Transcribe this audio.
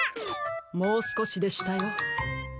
もうすこしでしたよ。